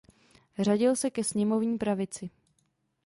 Řadil se ke sněmovní pravici.